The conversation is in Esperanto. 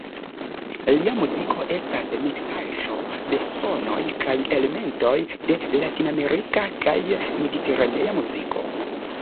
Lia muziko estas miksaĵo de sonoj kaj elementoj de latinamerika kaj mediteranea muziko.